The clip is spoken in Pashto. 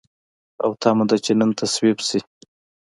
او تمه ده چې نن تصویب شي.